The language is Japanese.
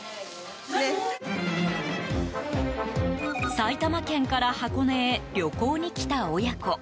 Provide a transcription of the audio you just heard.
埼玉県から箱根へ旅行に来た親子。